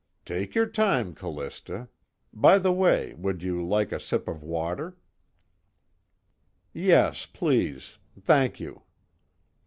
"Take your time, Callista by the way, would you like a sip of water?" "Yes, please. Thank you."